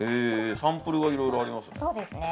サンプルがいろいろありますね。